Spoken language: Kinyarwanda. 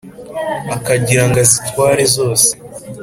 akagira ngo azitware zose.